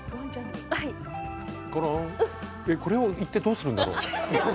これを言ってどうするんだろう。